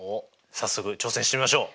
早速挑戦してみましょう。